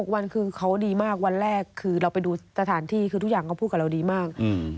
วันคือเขาดีมากวันแรกคือเราไปดูสถานที่คือทุกอย่างเขาพูดกับเราดีมาก